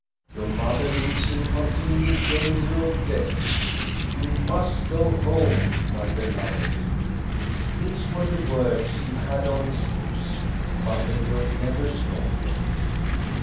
Your mother lives in continual danger of death. You must go home, my beloved." These were the words he had on his lips, but they were never spoken.